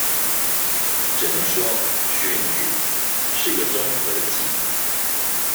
只能說選舉是個綜合技